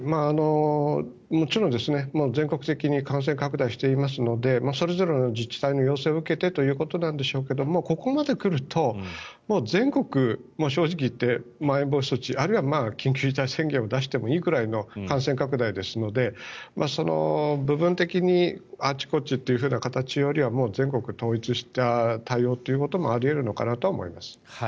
もちろん全国的に感染拡大していますのでそれぞれの自治体の要請を受けてということなんでしょうけどここまで来ると全国、正直言ってまん延防止措置あるいは緊急事態宣言を出してもいいくらいの感染拡大ですので部分的にあちこちという形よりはもう全国統一した対応ということもあり得るのかなとは思います。